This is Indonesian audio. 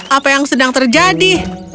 apa yang sedang terjadi